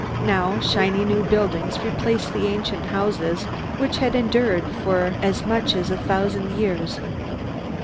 Now, shiny new buildings replaced the ancient houses which had endured for as much as a thousand years.